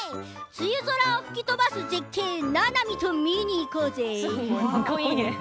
梅雨空を吹き飛ばす絶景ななみと見に行こうぜ！